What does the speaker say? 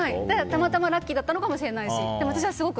たまたまラッキーだったのかもしれないし。